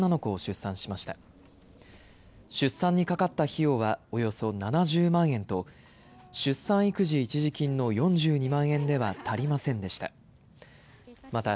出産にかかった費用はおよそ７０万円と、出産育児一時金の４２万円では足りませんでした。